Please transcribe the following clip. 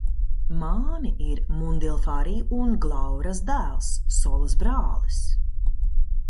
Māni ir Mundilfari un Glauras dēls, Solas brālis.